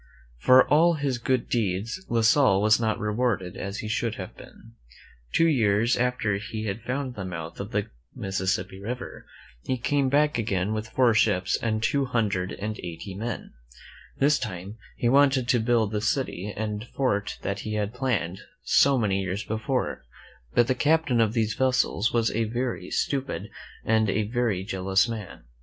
For all his good deeds La Salle was not rewarded as he should have been. Two years after he had found the mouth of the Mississippi River, he came back again with four ships and two hundred and eighty men. This time he wanted to build the city and fort that he had planned so many years before; but the captain i(^ !^^^ rT^' ■^^■■.^: .M m 153 THE MEN WHO FOUND A M E R I C of these vessels was a very stupid and a very jealous man.